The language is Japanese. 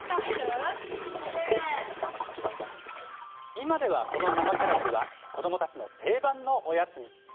今では、この生キャラメルは子どもたちの定番のおやつに。